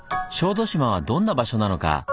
小豆島はどんな場所なのか。